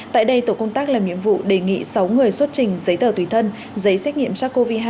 tại đây tổ công tác làm nhiệm vụ đề nghị sáu người xuất trình giấy tờ tùy thân giấy xét nghiệm sars cov hai